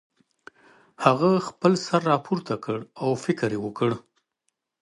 هغه خپل سر راپورته کړ او فکر یې وکړ